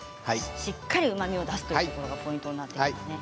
しっかりうまみを出すというところがポイントなんですね。